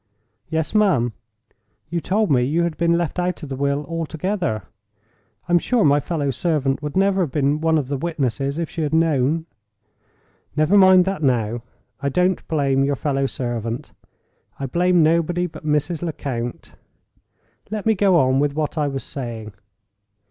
"Yes, ma'am. You told me you had been left out of the will altogether. I'm sure my fellow servant would never have been one of the witnesses if she had known—" "Never mind that now. I don't blame your fellow servant—I blame nobody but Mrs. Lecount. Let me go on with what I was saying.